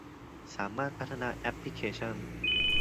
สามารถพัฒนาแอปพลิเคชัน